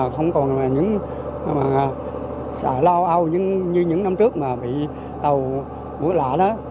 không còn những xả lao ao như những năm trước mà bị tàu mũi lạ đó